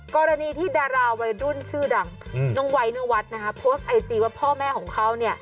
กรณีที่ดาราวัยรุ่นชื่อดังน้องไวยเนื้อวัดโพสต์ไอจีว่าพ่อแม่ของเขา